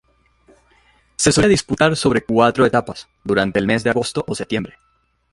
Se solía disputar sobre cuatro etapas, durante el mes de agosto o septiembre.